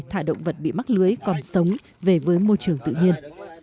thả động vật bị mắc lưới còn sống về với môi trường tự nhiên